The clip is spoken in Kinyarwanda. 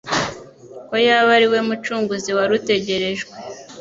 ko yaba ari we Mucunguzi wari utegerejwe